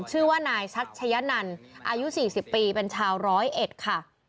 ชื่อว่านายชัชยะนันอายุ๔๐ปีเป็นชาวร้อยเอ็ดค่ะ